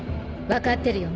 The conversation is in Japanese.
分かってるよ